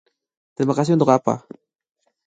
Terima kasih untuk apa?